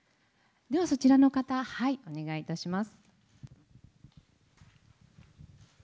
ではそちらの方、お願いいたします。